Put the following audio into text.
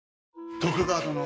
徳川殿。